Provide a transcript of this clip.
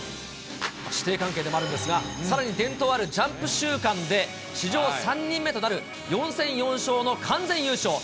師弟関係でもあるんですが、さらに伝統あるジャンプ週間で、史上３人目となる４戦４勝の完全優勝。